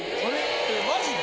えマジで？